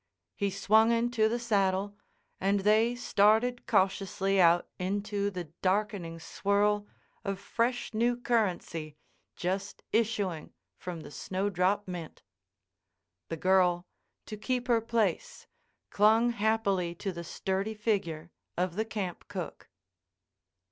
He swung into the saddle and they started cautiously out into the darkening swirl of fresh new currency just issuing from the Snowdrop Mint. The girl, to keep her place, clung happily to the sturdy figure of the camp cook.